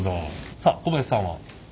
さあ小林さんは？